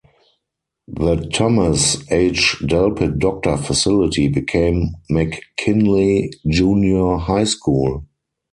The Thomas H. Delpit Doctor facility became McKinley Junior High School.